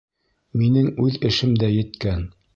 Минең үҙ эшем дә еткән.